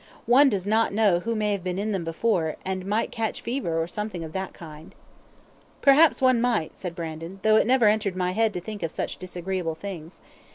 One does not know who may have been in them before, and might catch fever or something of that kind." "Perhaps one might," said Brandon, "though it never entered my head to think of such disagreeable things.